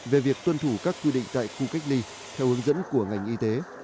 về việc tuân thủ các quy định tại khu cách ly theo hướng dẫn của ngành y tế